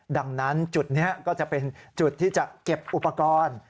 ดังนั้นจุดนี้ก็จะเป็นจุดที่จะเก็บอุปกรณ์